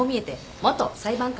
元裁判官？